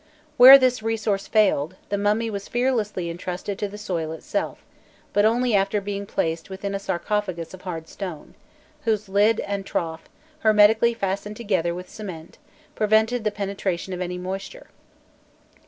Where this resource failed, the mummy was fearlessly entrusted to the soil itself, but only after being placed within a sarcophagus of hard stone, whose lid and trough, hermetically fastened together with cement, prevented the penetration of any moisture.